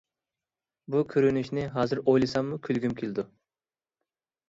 بۇ كۆرۈنۈشنى ھازىر ئويلىساممۇ كۈلگۈم كېلىدۇ.